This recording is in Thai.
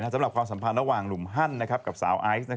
ความสัมพันธ์ระหว่างหนุ่มฮั่นกับสาวไอซ์